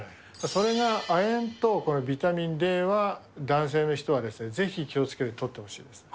それが亜鉛とビタミンＤは、男性の人はぜひ気をつけてとってほしいですね。